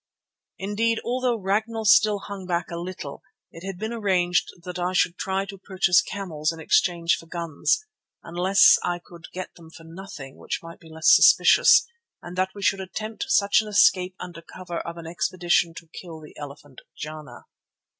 Indeed, although Ragnall still hung back a little, it had been arranged that I should try to purchase camels in exchange for guns, unless I could get them for nothing which might be less suspicious, and that we should attempt such an escape under cover of an expedition to kill the elephant Jana.